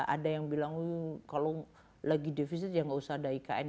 ada yang bilang kalau lagi defisit ya nggak usah ada ikn